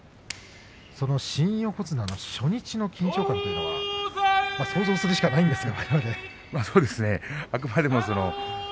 その新横綱初日の緊張感というのは想像するしかありませんが。